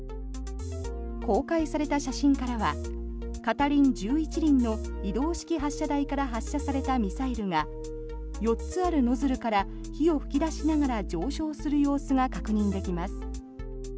公開された写真からは片輪１１輪の移動式発射台から発射されたミサイルが４つあるノズルから火を噴き出しながら上昇する様子が確認できます。